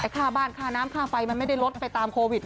ค่าบ้านค่าน้ำค่าไฟมันไม่ได้ลดไปตามโควิด